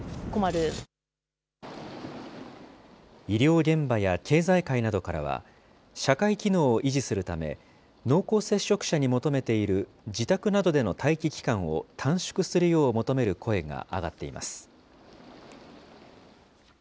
医療現場や経済界などからは、社会機能を維持するため、濃厚接触者に求めている自宅などでの待機期間を短縮するよう求める声が上がっています。